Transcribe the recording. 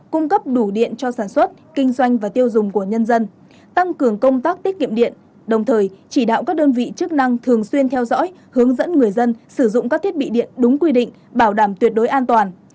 cung cấp đủ điện cho sản xuất kinh doanh và tiêu dùng của nhân dân tăng cường công tác tiết kiệm điện đồng thời chỉ đạo các đơn vị chức năng thường xuyên theo dõi hướng dẫn người dân sử dụng các thiết bị điện đúng quy định bảo đảm tuyệt đối an toàn